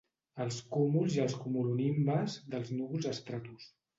Els cúmuls i els cumulonimbes dels núvols estratus.